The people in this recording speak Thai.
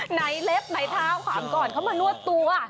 เล็บไหนเท้าขวามก่อนเขามานวดตัว